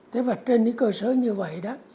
thế và trên cái cơ sở như vậy đó